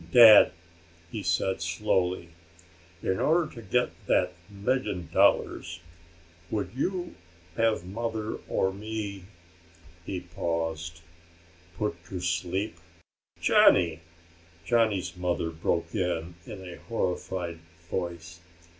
"Dad," he said slowly, "in order to get that million dollars would you have mother or me" he paused "put to sleep?" "Johnny!" Johnny's mother broke in in a horrified voice.